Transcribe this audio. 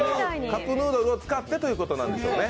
カップヌードルを使ってということなんですね。